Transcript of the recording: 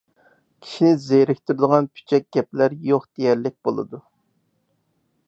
كىشىنى زېرىكتۈرىدىغان پۈچەك گەپلەر يوق دېيەرلىك بولىدۇ.